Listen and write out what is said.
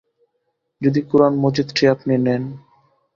যদি কোরান মজিদটি আপনি নেন।